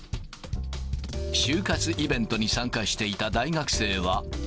就活イベントに参加していた大学生は。